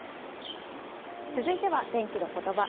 続いては天気のことば。